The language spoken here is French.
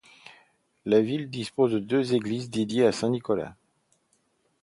La ville dispose de deux églises dédiées à Saint-Nicolas.